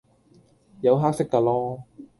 有黑色架囉